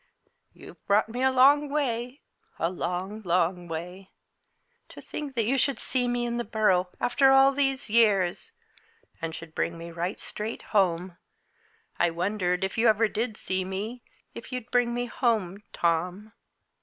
"You've brought me a long way a long, long way. To think that you should see me in the Borough after all these years and should bring me right straight home, I wondered, if ever you did see me, if you'd bring me home Tom.